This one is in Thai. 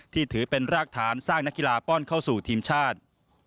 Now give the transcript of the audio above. ถือเป็นรากฐานสร้างนักกีฬาป้อนเข้าสู่ทีมชาติ